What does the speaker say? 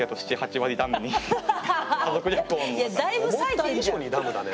思った以上にダムだね。